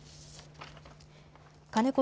金子